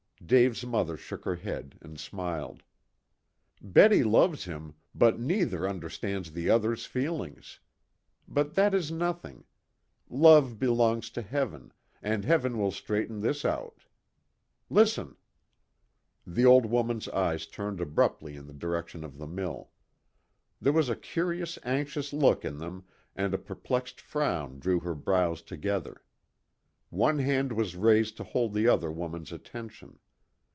Dave's mother shook her head and smiled. "Betty loves him, but neither understands the other's feelings. But that is nothing. Love belongs to Heaven, and Heaven will straighten this out. Listen!" The old woman's eyes turned abruptly in the direction of the mill. There was a curious, anxious look in them, and a perplexed frown drew her brows together. One hand was raised to hold the other woman's attention.